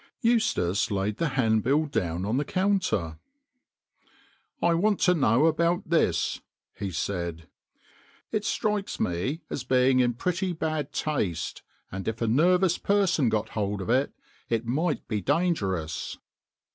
176 THE COFFIN MERCHANT Eustace laid the handbill down on the counter. " I want to know about this," he said. " It strikes me as being in pretty bad taste, and if a nervous person got hold of it, it might be dangerous."